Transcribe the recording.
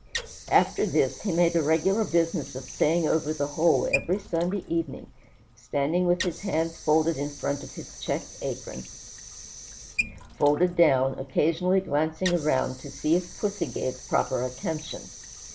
After this, he made a regular business of saying over the whole every Sunday evening, standing with his hands folded in front and his checked apron folded down, occasionally glancing round to see if pussy gave proper attention.